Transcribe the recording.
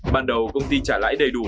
ban đầu công ty trả lãi đầy đủ